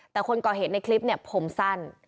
แต่คนก่อเหตุในคลิปเนี่ยผมสั้น